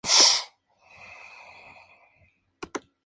Casó con María Echeverría Zeledón.